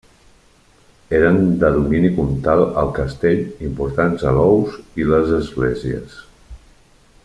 Eren de domini comtal el castell, importants alous i les esglésies.